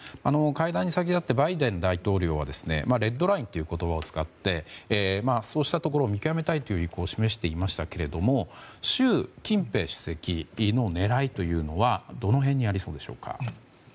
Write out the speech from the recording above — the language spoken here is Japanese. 会談に先立ってバイデン大統領はレッドラインという言葉を使ってそうしたところを見極めたい意向を示していましたが習近平主席の狙いというのはどの辺にありそうでしょうか？